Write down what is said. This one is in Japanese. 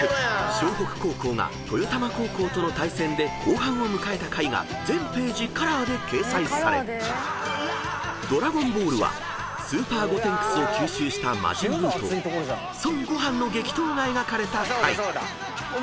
［湘北高校が豊玉高校との対戦で後半を迎えた回が全ページカラーで掲載され『ドラゴンボール』はスーパーゴテンクスを吸収した魔人ブウと孫悟飯の激闘が描かれた回］